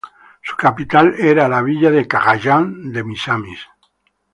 Su capital era la villa de Cagayán de Misamis.